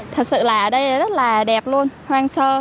thật sự là ở đây rất là đẹp luôn hoang sơ